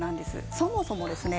そもそもですね